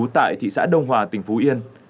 tại thị xã đông hòa tỉnh phú yên